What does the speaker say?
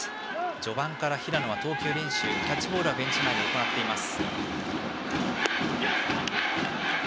序盤から平野は投球練習キャッチボールはベンチ前で行っています。